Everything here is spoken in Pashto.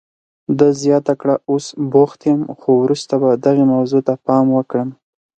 ده زیاته کړه، اوس بوخت یم، خو وروسته به دغې موضوع ته پام وکړم.